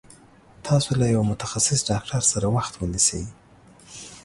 تاسو له يوه متخصص ډاکټر سره وخت ونيسي